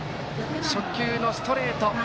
初球のストレート。